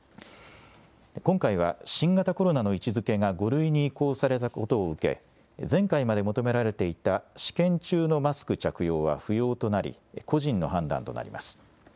今回は、新型コロナの位置づけが５類に移行されたことを受け、前回まで求められていた試験中のマスク着用は不要となり、個人の判断となります。